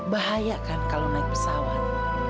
bahaya kan kalau naik pesawat